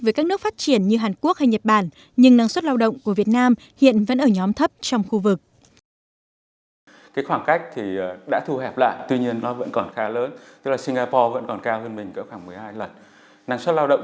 với các nước phát triển như hàn quốc hay nhật bản nhưng năng suất lao động